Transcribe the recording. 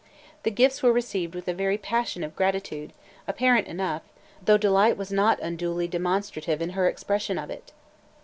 The gifts were received with a very passion of gratitude, apparent enough, though Delight was not unduly demonstrative in her expression of it.